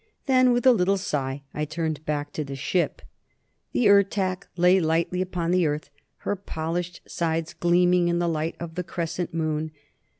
Then, with a little sigh, I turned back to the ship. The Ertak lay lightly upon the earth, her polished sides gleaming in the light of the crescent moon.